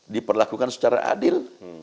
diperlakukan secara adil